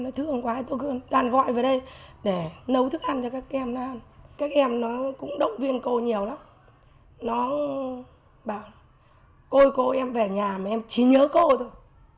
nó bảo cô ơi cô ơi em về nhà mà em chỉ nhớ cô thôi